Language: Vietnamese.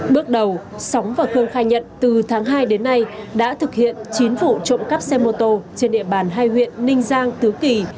bước đầu sóng và khương khai nhận từ tháng hai đến nay đã thực hiện chín vụ trộm cắp xe mô tô trên địa bàn hai huyện ninh giang tứ kỳ